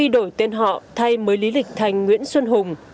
đổi tên họ thay mới lý lịch thành nguyễn xuân hùng